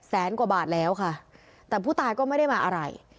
กว่าบาทแล้วค่ะแต่ผู้ตายก็ไม่ได้มาอะไร